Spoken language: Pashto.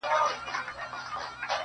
دا جلادان ستا له زاریو سره کار نه لري؛